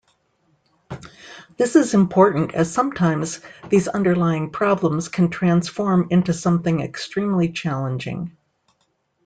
This is important as sometimes, these underlying problems can transform into something extremely challenging.